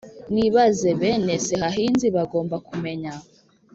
nibaze! bene sehahinzi bagomba kumenya